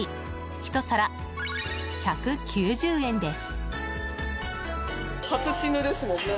１皿１９０円です。